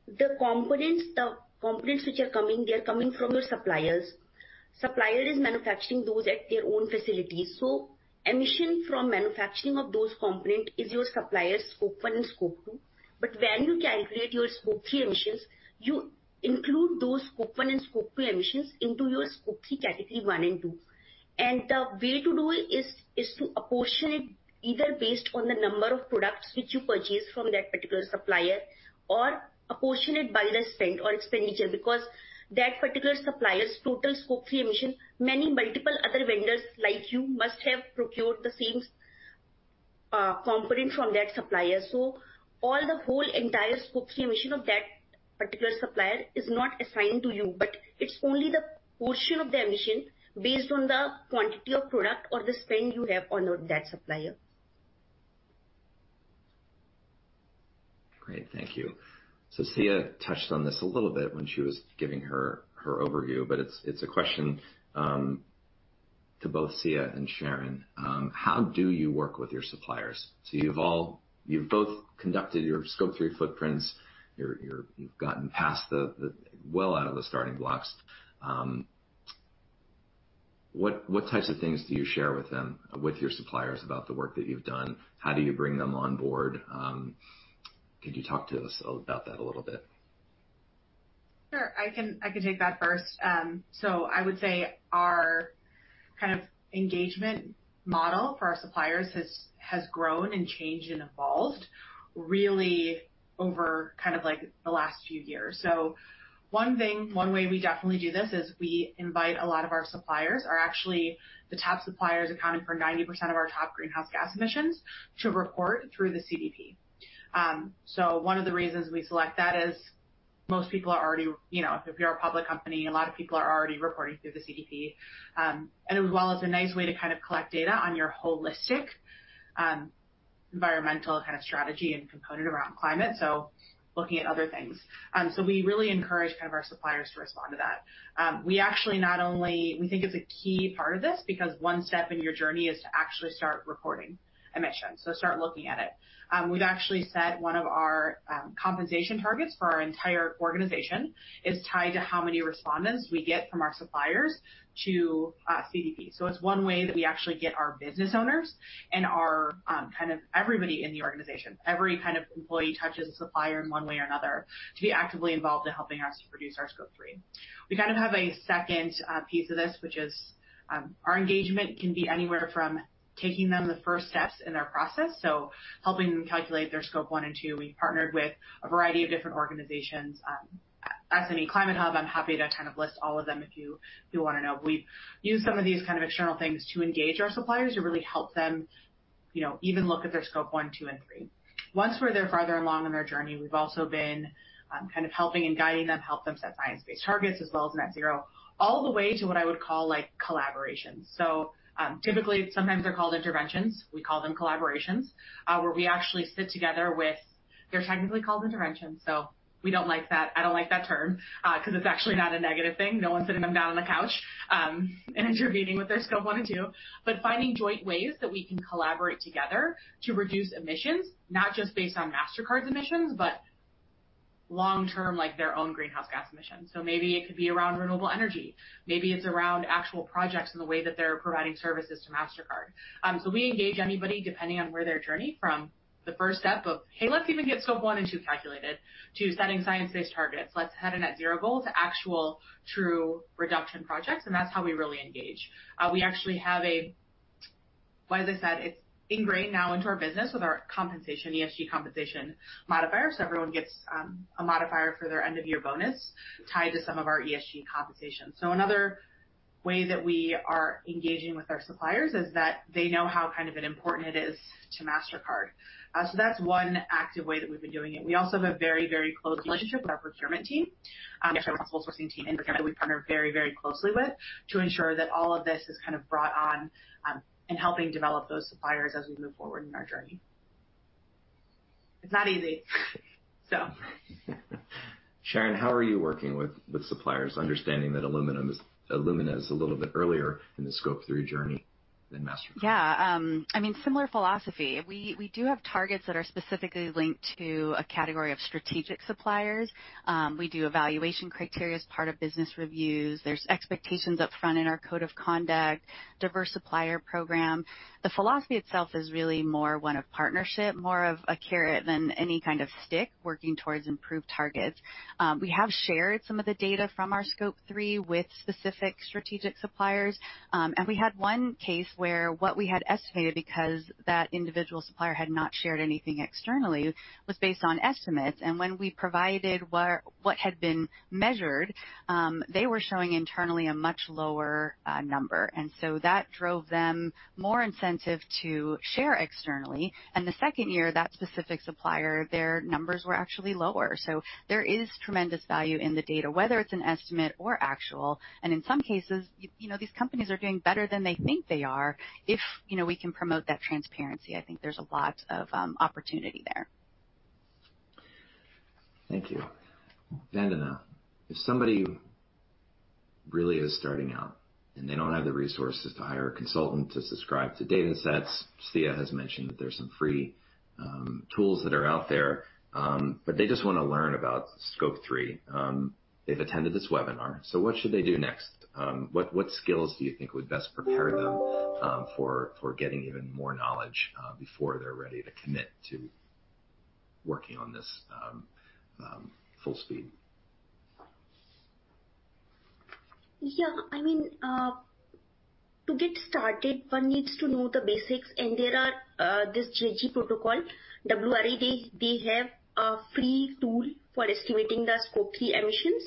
The components which are coming, they are coming from your suppliers. Supplier is manufacturing those at their own facilities. Emission from manufacturing of those component is your supplier's Scope 1 and Scope 2. When you calculate your Scope 3 emissions, you include those Scope 1 and Scope 2 emissions into your Scope 3 Category 1 and 2. The way to do it is to apportion it either based on the number of products which you purchase from that particular supplier or apportion it by the spend or expenditure, because that particular supplier's total Scope 3 emission, many multiple other vendors like you must have procured the same component from that supplier. All the whole entire Scope 3 emission of that particular supplier is not assigned to you, but it's only the portion of the emission based on the quantity of product or the spend you have on that supplier. Great. Thank you. Sia touched on this a little bit when she was giving her overview, but it's a question to both Sia and Sharon. How do you work with your suppliers? You've both conducted your Scope 3 footprints. You've gotten past the well out of the starting blocks. What types of things do you share with them, with your suppliers about the work that you've done? How do you bring them on board? Could you talk to us about that a little bit? Sure. I can take that first. I would say our kind of engagement model for our suppliers has grown and changed and evolved really over kind of like the last few years. One way we definitely do this is we invite a lot of our suppliers are actually the top suppliers accounting for 90% of our top greenhouse gas emissions to report through the CDP. One of the reasons we select that is most people are already, you know, if you're a public company, a lot of people are already reporting through the CDP. As well as a nice way to kind of collect data on your holistic, environmental kind of strategy and component around climate, so looking at other things. We really encourage kind of our suppliers to respond to that. We actually think it's a key part of this because one step in your journey is to actually start reporting emissions. Start looking at it. We've actually set one of our compensation targets for our entire organization is tied to how many respondents we get from our suppliers to CDP. It's one way that we actually get our business owners and our kind of everybody in the organization, every kind of employee touches a supplier in one way or another, to be actively involved in helping us reduce our Scope 3. We kind of have a second piece of this, which is, our engagement can be anywhere from taking them the first steps in their process, so helping them calculate their Scope 1 and 2. We partnered with a variety of different organizations, SME Climate Hub. I'm happy to kind of list all of them if you wanna know. We've used some of these kind of external things to engage our suppliers to really help them, you know, even look at their Scope 1, 2, and 3. Once we're there farther along in their journey, we've also been kind of helping and guiding them, help them set Science Based Targets as well as net zero, all the way to what I would call, like collaborations. Typically, sometimes they're called interventions. We call them collaborations, where we actually sit together with. They're technically called interventions, so we don't like that. I don't like that term, 'cause it's actually not a negative thing. No one's sitting them down on the couch, and intervening with their Scope 1 and 2. Finding joint ways that we can collaborate together to reduce emissions, not just based on Mastercard's emissions, but long-term, like their own greenhouse gas emissions. Maybe it could be around renewable energy, maybe it's around actual projects and the way that they're providing services to Mastercard. We engage anybody depending on where their journey from the first step of, "Hey, let's even get Scope 1 and 2 calculated," to setting science-based targets. Let's head a net zero goal to actual true reduction projects, and that's how we really engage. We actually have well, as I said, it's ingrained now into our business with our compensation, ESG compensation modifier. Everyone gets a modifier for their end of year bonus tied to some of our ESG compensation. Another way that we are engaging with our suppliers is that they know how kind of important it is to Mastercard. That's one active way that we've been doing it. We also have a very, very close relationship with our procurement team, which our responsible sourcing team in particular, we partner very, very closely with to ensure that all of this is kind of brought on in helping develop those suppliers as we move forward in our journey. It's not easy. Sharon, how are you working with suppliers, understanding that Illumina is a little bit earlier in the Scope 3 journey than Mastercard? I mean, similar philosophy. We do have targets that are specifically linked to a category of strategic suppliers. We do evaluation criteria as part of business reviews. There's expectations up front in our code of conduct, diverse supplier program. The philosophy itself is really more one of partnership, more of a carrot than any kind of stick working towards improved targets. We have shared some of the data from our Scope 3 with specific strategic suppliers. We had one case where what we had estimated, because that individual supplier had not shared anything externally, was based on estimates. When we provided what had been measured, they were showing internally a much lower number. That drove them more incentive to share externally. The second year, that specific supplier, their numbers were actually lower. There is tremendous value in the data, whether it's an estimate or actual, and in some cases, you know, these companies are doing better than they think they are. If, you know, we can promote that transparency, I think there's a lot of opportunity there. Thank you. Varun, if somebody really is starting out and they don't have the resources to hire a consultant to subscribe to datasets, Sia has mentioned that there's some free tools that are out there, but they just want to learn about Scope 3. They've attended this webinar, what should they do next? What skills do you think would best prepare them for getting even more knowledge before they're ready to commit to working on this full speed? I mean, to get started, one needs to know the basics, and there are this GHG Protocol. WRI, they have a free tool for estimating the Scope 3 emissions,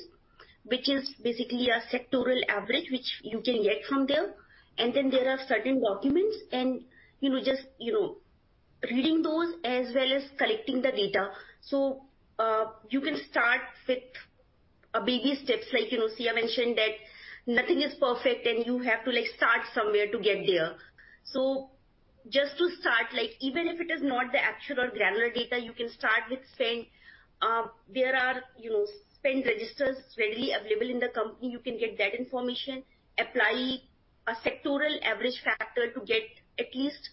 which is basically a sectoral average, which you can get from there. Then there are certain documents and, you know, just, you know, reading those as well as collecting the data. You can start with a baby steps like, you know, Sia mentioned that nothing is perfect, and you have to, like, start somewhere to get there. Just to start, like, even if it is not the actual granular data, you can start with spend. There are, you know, spend registers readily available in the company. You can get that information, apply a sectoral average factor to get at least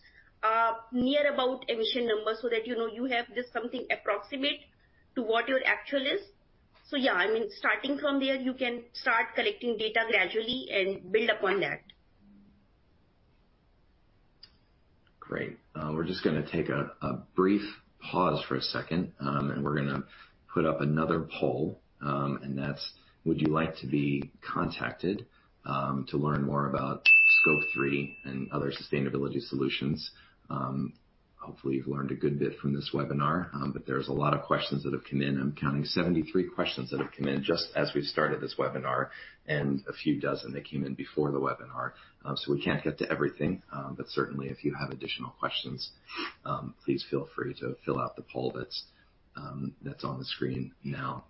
near about emission numbers so that, you know, you have just something approximate to what your actual is. Yeah, I mean, starting from there, you can start collecting data gradually and build upon that. Great. We're just gonna take a brief pause for a second, and we're gonna put up another poll, that's: Would you like to be contacted to learn more about Scope 3 and other sustainability solutions? Hopefully, you've learned a good bit from this webinar, but there's a lot of questions that have come in. I'm counting 73 questions that have come in just as we've started this webinar and a few dozen that came in before the webinar. We can't get to everything, but certainly, if you have additional questions, please feel free to fill out the poll that's on the screen now.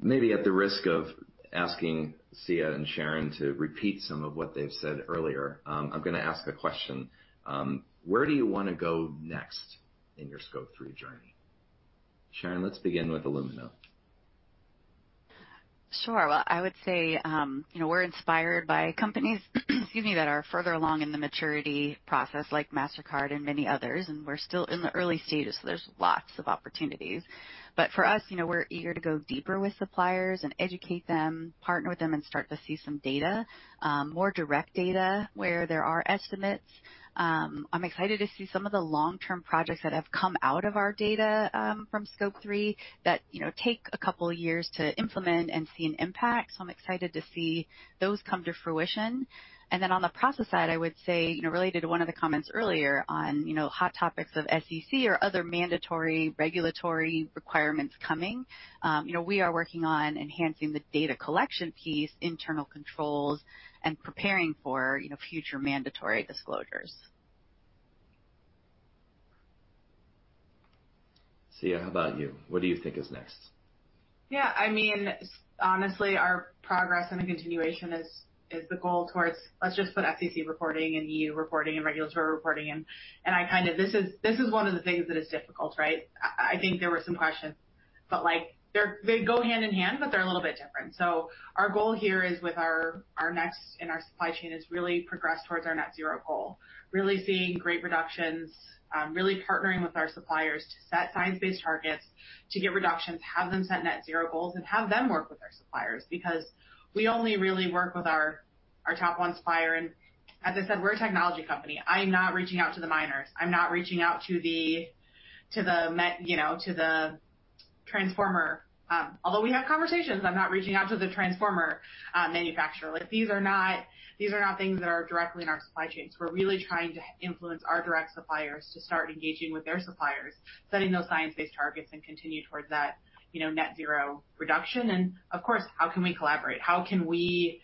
Maybe at the risk of asking Sia and Sharon to repeat some of what they've said earlier, I'm gonna ask a question. Where do you wanna go next in your Scope 3 journey? Sharon, let's begin with Illumina. Sure. Well, I would say, you know, we're inspired by companies, excuse me, that are further along in the maturity process, like Mastercard and many others, and we're still in the early stages, so there's lots of opportunities. For us, you know, we're eager to go deeper with suppliers and educate them, partner with them, and start to see some data, more direct data where there are estimates. I'm excited to see some of the long-term projects that have come out of our data, from Scope 3 that, you know, take a couple of years to implement and see an impact. I'm excited to see those come to fruition. On the process side, I would say, you know, related to one of the comments earlier on, you know, hot topics of SEC or other mandatory regulatory requirements coming, you know, we are working on enhancing the data collection piece, internal controls, and preparing for, you know, future mandatory disclosures. Sia, how about you? What do you think is next? Yeah, I mean, honestly, our progress and the continuation is the goal towards, let's just put SEC reporting and EU reporting and regulatory reporting in. This is one of the things that is difficult, right? I think there were some questions, but, like, they go hand in hand, but they're a little bit different. Our goal here is with our next in our supply chain is really progress towards our net zero goal, really seeing great reductions, really partnering with our suppliers to set science-based targets, to get reductions, have them set net zero goals, and have them work with our suppliers. Because we only really work with our top one supplier. As I said, we're a technology company. I'm not reaching out to the miners. I'm not reaching out to the transformer. Although we have conversations, I'm not reaching out to the transformer manufacturer. These are not things that are directly in our supply chains. We're really trying to influence our direct suppliers to start engaging with their suppliers, setting those science-based targets, and continue towards that, you know, net zero reduction. Of course, how can we collaborate? How can we,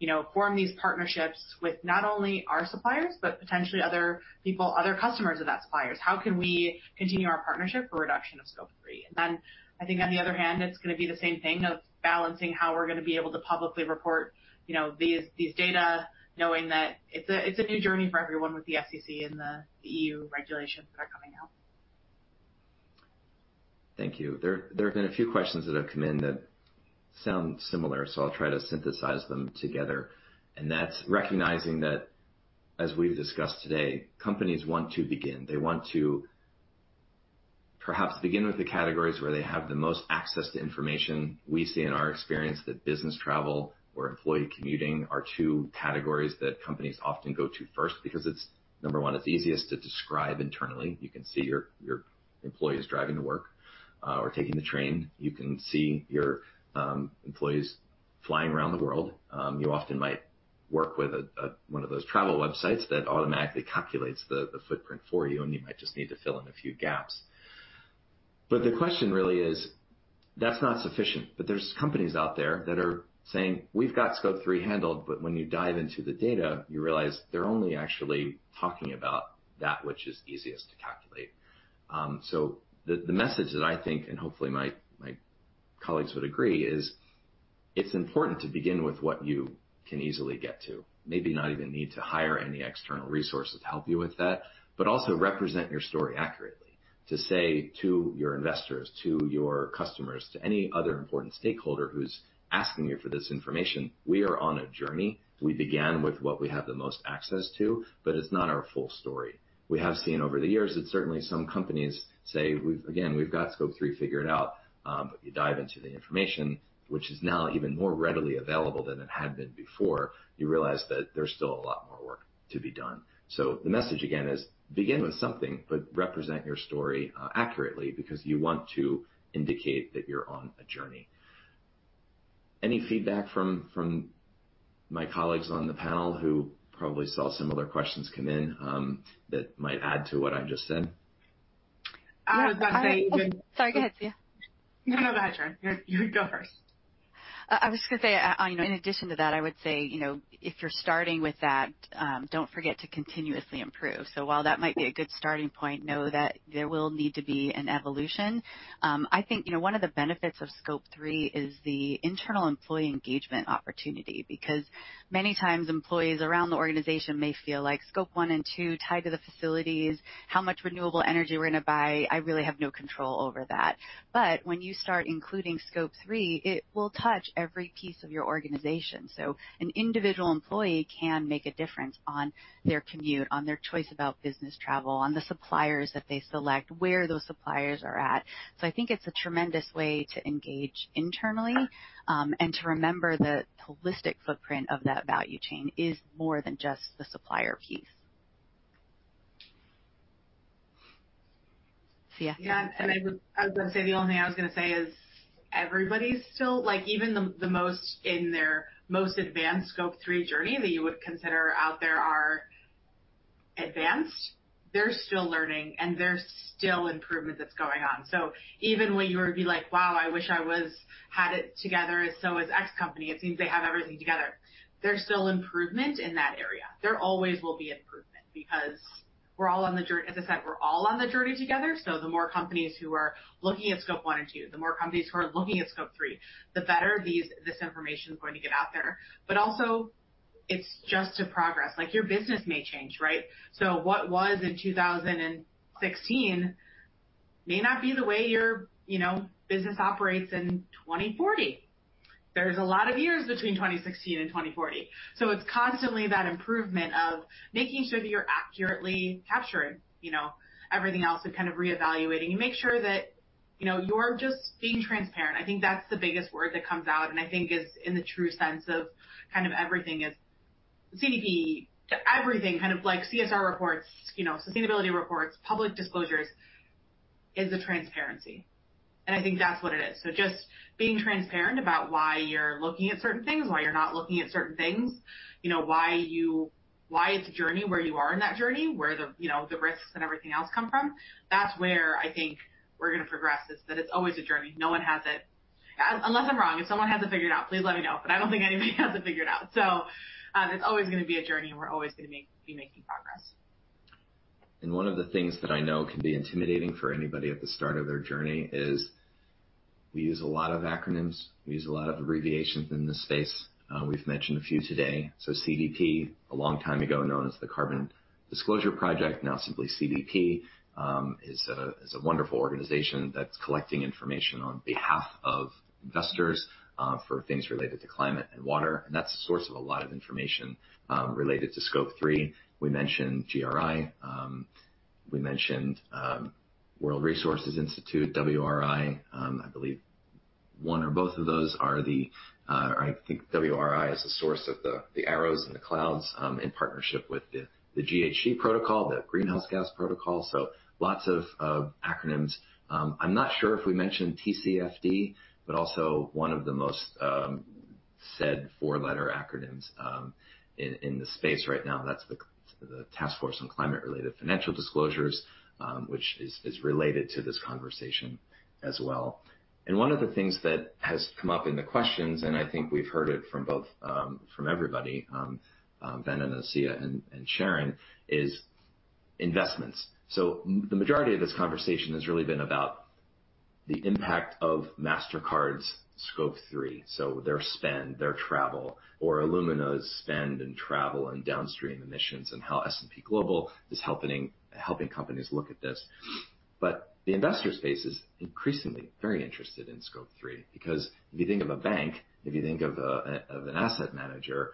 you know, form these partnerships with not only our suppliers, but potentially other people, other customers of that suppliers? How can we continue our partnership for reduction of Scope 3? Then I think on the other hand, it's gonna be the same thing of balancing how we're gonna be able to publicly report, you know, these data, knowing that it's a new journey for everyone with the SEC and the EU regulations that are coming out. Thank you. There have been a few questions that have come in that sound similar, I'll try to synthesize them together. That's recognizing that, as we've discussed today, companies want to begin. They want to perhaps begin with the categories where they have the most access to information. We see in our experience that business travel or employee commuting are two categories that companies often go to first because it's number one, it's easiest to describe internally. You can see your employees driving to work or taking the train. You can see your employees flying around the world. You often might work with one of those travel websites that automatically calculates the footprint for you, and you might just need to fill in a few gaps. The question really is, that's not sufficient. There's companies out there that are saying, "We've got Scope 3 handled." When you dive into the data, you realize they're only actually talking about that which is easiest to calculate. The message that I think, and hopefully my colleagues would agree, is it's important to begin with what you can easily get to. Maybe not even need to hire any external resources to help you with that, but also represent your story accurately. To say to your investors, to your customers, to any other important stakeholder who's asking you for this information, "We are on a journey. We began with what we have the most access to, but it's not our full story." We have seen over the years that certainly some companies say, "We've again, we've got Scope 3 figured out," but you dive into the information, which is now even more readily available than it had been before, you realize that there's still a lot more work to be done. The message again is begin with something, but represent your story accurately because you want to indicate that you're on a journey. Any feedback from my colleagues on the panel who probably saw similar questions come in that might add to what I just said? I was about to say. Yeah. Oh. Sorry, go ahead, Sia. No, go ahead, Sharon. You, you go first. I was gonna say, you know, in addition to that, I would say, you know, if you're starting with that, don't forget to continuously improve. While that might be a good starting point, know that there will need to be an evolution. I think, you know, one of the benefits of Scope 3 is the internal employee engagement opportunity, because many times employees around the organization may feel like Scope 1 and 2 tied to the facilities, how much renewable energy we're gonna buy, I really have no control over that. When you start including Scope 3, it will touch every piece of your organization. An individual employee can make a difference on their commute, on their choice about business travel, on the suppliers that they select, where those suppliers are at. I think it's a tremendous way to engage internally, and to remember the holistic footprint of that value chain is more than just the supplier piece. Sia. Yeah. I was gonna say, the only thing I was gonna say is everybody's still-- Like, even the most-- in their most advanced Scope 3 journey that you would consider out there are advanced, they're still learning, and there's still improvement that's going on. Even when you would be like, "Wow, I wish I had it together so as X company, it seems they have everything together," there's still improvement in that area. There always will be improvement because we're all on the journey together, the more companies who are looking at Scope 1 and 2, the more companies who are looking at Scope 3, the better this information is going to get out there. Also it's just a progress. Like, your business may change, right? What was in 2016 may not be the way your, you know, business operates in 2040. There's a lot of years between 2016 and 2040. It's constantly that improvement of making sure that you're accurately capturing, you know, everything else and kind of reevaluating. You make sure that, you know, you're just being transparent. I think that's the biggest word that comes out, and I think is in the true sense of kind of everything is CDP to everything kind of like CSR reports, you know, sustainability reports, public disclosures, is the transparency. I think that's what it is. Just being transparent about why you're looking at certain things, why you're not looking at certain things, you know, why it's a journey, where you are in that journey, where the, you know, the risks and everything else come from. That's where I think we're gonna progress, is that it's always a journey. No one has it. Unless I'm wrong. If someone has it figured out, please let me know. I don't think anybody has it figured out. It's always gonna be a journey, and we're always gonna be making progress. One of the things that I know can be intimidating for anybody at the start of their journey is we use a lot of acronyms. We use a lot of abbreviations in this space. We've mentioned a few today. CDP, a long time ago, known as the Carbon Disclosure Project, now simply CDP, is a wonderful organization that's collecting information on behalf of investors for things related to climate and water. That's the source of a lot of information related to Scope 3. We mentioned GRI. We mentioned World Resources Institute, WRI. I believe one or both of those are the, or I think WRI is the source of the arrows and the clouds in partnership with the GHG Protocol, the Greenhouse Gas Protocol. Lots of acronyms. I'm not sure if we mentioned TCFD, but also one of the most said four-letter acronyms in the space right now. That's the Task Force on Climate-related Financial Disclosures, which is related to this conversation as well. One of the things that has come up in the questions, and I think we've heard it from both from everybody, Ben and Sia and Sharon, is investments. The majority of this conversation has really been about the impact of Mastercard's Scope 3, so their spend, their travel, or Illumina's spend and travel and downstream emissions, and how S&P Global is helping companies look at this. The investor space is increasingly very interested in Scope 3 because if you think of a bank, if you think of an asset manager,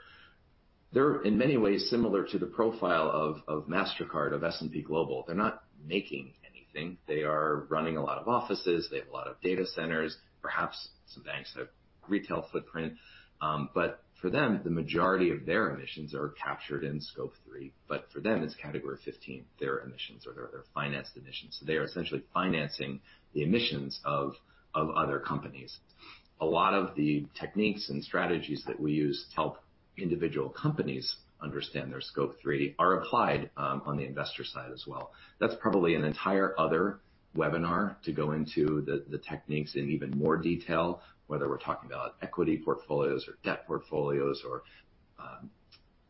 they're in many ways similar to the profile of Mastercard, of S&P Global. They're not making anything. They are running a lot of offices. They have a lot of data centers. Perhaps some banks have retail footprint. For them, the majority of their emissions are captured in Scope 3. For them, it's Category 15, their emissions or their Financed Emissions. They are essentially financing the emissions of other companies. A lot of the techniques and strategies that we use to help individual companies understand their Scope 3 are applied on the investor side as well. That's probably an entire other webinar to go into the techniques in even more detail, whether we're talking about equity portfolios or debt portfolios or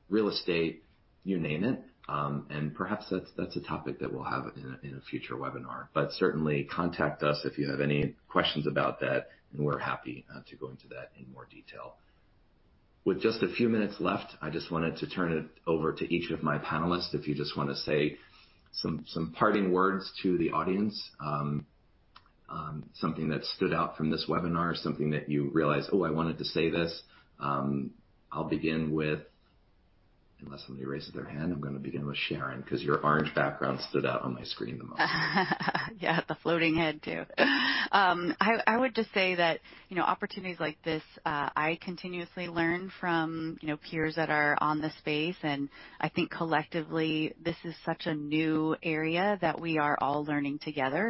real estate, you name it. Perhaps that's a topic that we'll have in a, in a future webinar. Certainly contact us if you have any questions about that, and we're happy to go into that in more detail. With just a few minutes left, I just wanted to turn it over to each of my panelists. If you just wanna say some parting words to the audience, something that stood out from this webinar or something that you realized, "Oh, I wanted to say this." I'll begin with... unless somebody raises their hand, I'm gonna begin with Sharon, 'cause your orange background stood out on my screen the most. Yeah, the floating head too. I would just say that, you know, opportunities like this, I continuously learn from, you know, peers that are on this space, and I think collectively, this is such a new area that we are all learning together.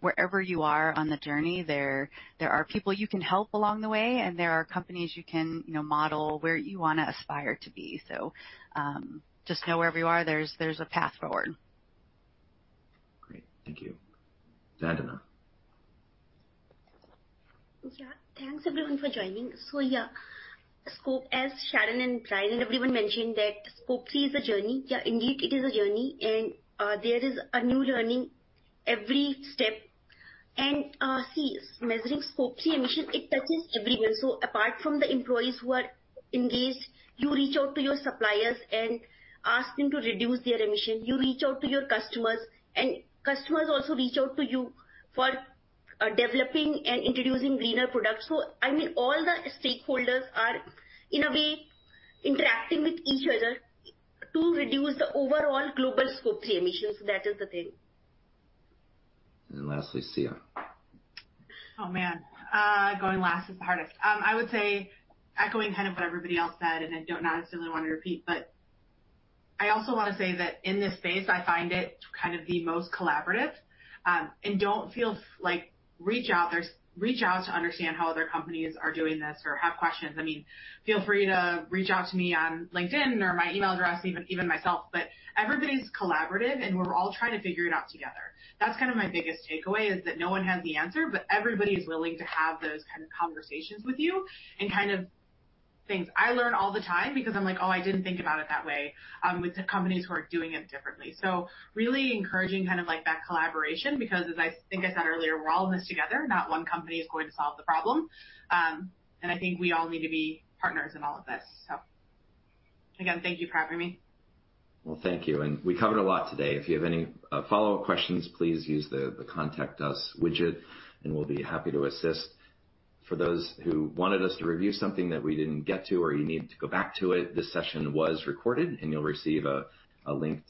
Wherever you are on the journey, there are people you can help along the way, and there are companies you can, you know, model where you wanna aspire to be. Just know wherever you are, there's a path forward. Great. Thank you. Varun. Yeah. Thanks everyone for joining. Yeah, Scope... as Sharon and Brian and everyone mentioned that Scope 3 is a journey. Indeed, it is a journey, and there is a new learning every step. See, measuring Scope 3 emissions, it touches everyone. Apart from the employees who are engaged, you reach out to your suppliers and ask them to reduce their emissions. You reach out to your customers, and customers also reach out to you for developing and introducing greener products. I mean, all the stakeholders are, in a way, interacting with each other to reduce the overall global Scope 3 emissions. That is the thing. lastly, Sia. Oh, man. Going last is the hardest. I would say, echoing kind of what everybody else said, and I don't necessarily want to repeat, but I also wanna say that in this space, I find it kind of the most collaborative. Like reach out. Reach out to understand how other companies are doing this or have questions. I mean, feel free to reach out to me on LinkedIn or my email address, even myself, but everybody's collaborative, and we're all trying to figure it out together. That's kind of my biggest takeaway, is that no one has the answer, but everybody is willing to have those kind of conversations with you and kind of things. I learn all the time because I'm like, "Oh, I didn't think about it that way," with the companies who are doing it differently. Really encouraging kind of like that collaboration, because as I think I said earlier, we're all in this together. Not one company is going to solve the problem. I think we all need to be partners in all of this. Again, thank you for having me. Well, thank you. We covered a lot today. If you have any follow-up questions, please use the Contact Us widget, and we'll be happy to assist. For those who wanted us to review something that we didn't get to or you need to go back to it, this session was recorded, and you'll receive a link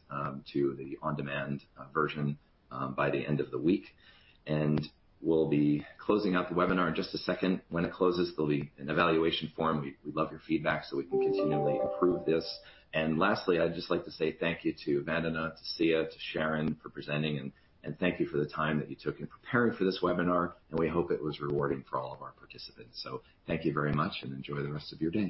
to the on-demand version by the end of the week. We'll be closing out the webinar in just a second. When it closes, there'll be an evaluation form. We'd love your feedback so we can continually improve this. Lastly, I'd just like to say thank you to Varun, to Sia, to Sharon for presenting, and thank you for the time that you took in preparing for this webinar, and we hope it was rewarding for all of our participants. Thank you very much, and enjoy the rest of your day.